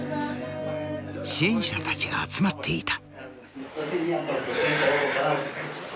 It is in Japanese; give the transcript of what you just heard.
支援者たちが集まっていた。